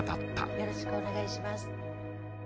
よろしくお願いします。